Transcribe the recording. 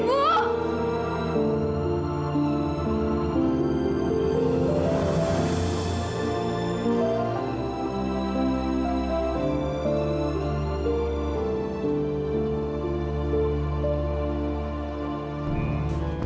biarin saya tetap disini